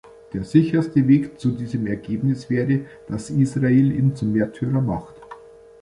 Der sicherste Weg zu diesem Ergebnis wäre, dass Israel ihn zum Märtyrer macht.